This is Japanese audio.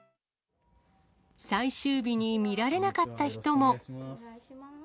最終日に見られなかった人も。